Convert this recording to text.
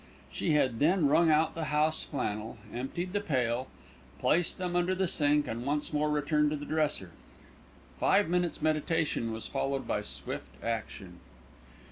She had then wrung out the house flannel, emptied the pail, placed them under the sink and once more returned to the dresser. Five minutes' meditation was followed by swift action.